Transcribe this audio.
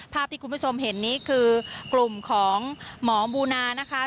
ภาพที่คุณผู้ชมเห็นนี้คือกลุ่มของหมอบูนานะคะ